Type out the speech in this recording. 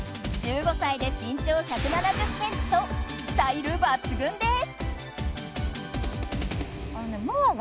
１５歳で身長１７０ｃｍとスタイル抜群です。